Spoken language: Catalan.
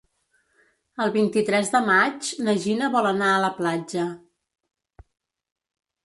El vint-i-tres de maig na Gina vol anar a la platja.